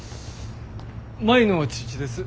舞の父です。